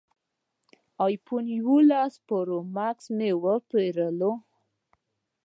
ایفون اوولس پرو ماکس مې وپېرلو